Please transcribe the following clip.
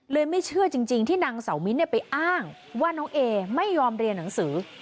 ไม่เชื่อจริงที่นางเสามิ้นไปอ้างว่าน้องเอไม่ยอมเรียนหนังสือ